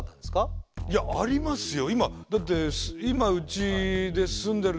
いやありますよ。